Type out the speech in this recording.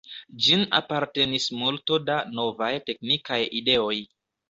Ĝin apartenis multo da novaj teknikaj ideoj.